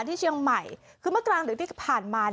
ที่เชียงใหม่คือเมื่อกลางดึกที่ผ่านมา